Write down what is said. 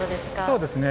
そうですね。